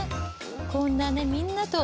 こんなねみんなと。